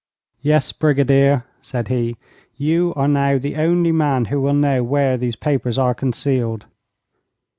'Yes, Brigadier,' said he, 'you are now the only man who will know where these papers are concealed.'